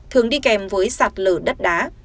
thường đi kèm với sạt lở đất đá